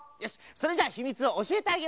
それじゃあひみつをおしえてあげましょう。